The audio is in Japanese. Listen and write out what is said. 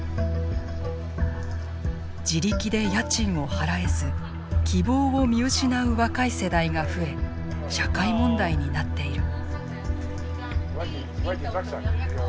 自力で家賃を払えず希望を見失う若い世代が増え社会問題になっている。